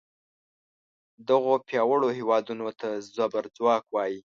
دغو پیاوړو هیوادونو ته زبر ځواک وایي.